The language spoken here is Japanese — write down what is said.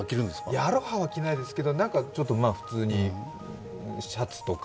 いやアロハは着ないですけど、普通に、シャツとか。